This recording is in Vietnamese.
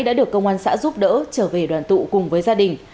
đã được công an xã giúp đỡ trở về đoàn tụ cùng với gia đình